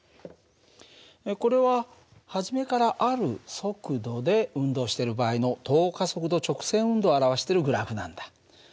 これは初めからある速度で運動している場合の等加速度直線運動を表しているグラフなんだ。